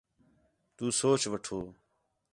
تو سوچ وٹھو